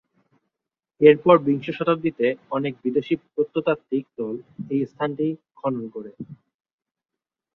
এরপর বিংশ শতাব্দীতে অনেক বিদেশী প্রত্নতাত্ত্বিক দল এই স্থানটি খনন করে।